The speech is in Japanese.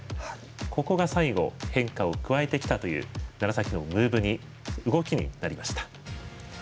ここが最後、変化を加えてきたという楢崎のムーブ動きになりました。